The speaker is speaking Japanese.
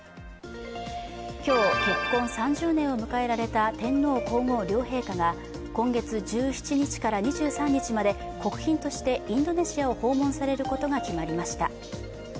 今日、結婚３０年を迎えられた天皇皇后両陛下が今月１７日から２３日まで国賓としてインドネシアを訪問されることが決まりました。